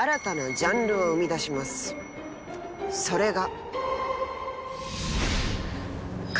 それが。